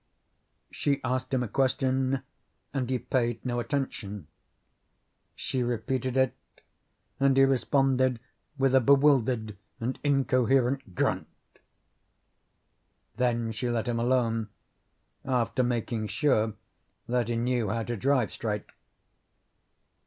She asked him a question, and he paid no attention. She repeated it, and he responded with a bewildered and incoherent grunt. Then she let him alone, after making sure that he knew how to drive straight.